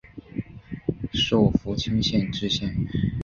授福清县知县。